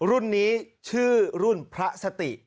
รุ่นนี้ชื่อรุ่นพระสติ